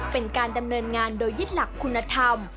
เป็นการดำเนินงานโดยยึดหลักคุณธรรม